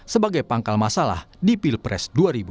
sebagai pangkal masalah di pilpres dua ribu dua puluh